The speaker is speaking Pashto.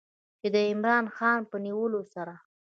چې د عمران خان په نیولو سره